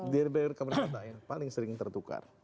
di prepress paling sering tertukar